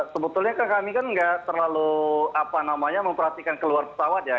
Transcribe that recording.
sebetulnya kami kan nggak terlalu apa namanya memperhatikan keluar pesawat